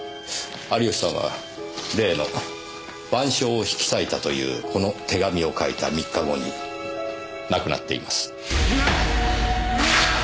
有吉さんは例の『晩鐘』を引き裂いたというこの手紙を書いた３日後に亡くなっています。